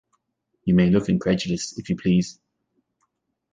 You may look incredulous, if you please!